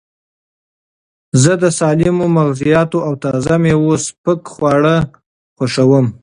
زه د سالمو مغزیاتو او تازه مېوو سپک خواړه خوښوم.